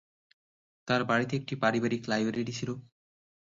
তার বাড়িতে একটি পারিবারিক লাইব্রেরি ছিলো।